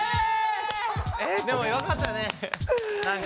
でもよかったね何か。